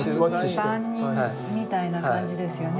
番人みたいな感じですよね。